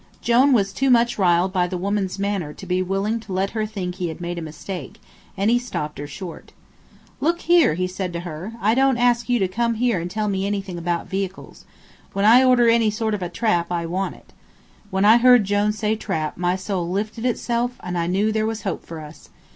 Jone was too much riled by the woman's manner to be willing to let her think he had made a mistake, and he stopped her short. "Look here," he said to her, "I don't ask you to come here to tell me anything about vehicles. When I order any sort of a trap I want it." When I heard Jone say trap my soul lifted itself and I knew there was hope for us.